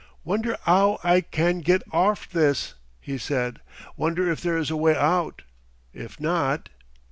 "Wonder 'ow I can get orf this?" he said. "Wonder if there is a way out? If not...